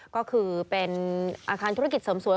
ก็คือเป็นอาคารธุรกิจเสริมสวย